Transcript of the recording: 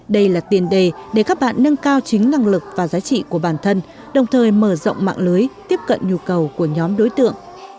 đây là tiền đề để các bạn nâng cao chính năng lực và giá trị của bản thân đồng thời mở rộng mạng lưới tiếp cận nhu cầu của nhóm đối tượng